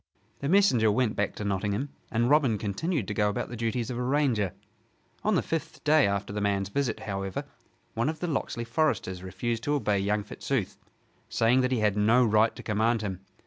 The messenger went back to Nottingham; and Robin continued to go about the duties of a ranger. On the fifth day after the man's visit, however, one of the Locksley foresters refused to obey young Fitzooth, saying that he had no right to command him.